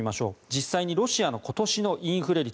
実際にロシアの今年のインフレ率